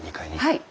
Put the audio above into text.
はい。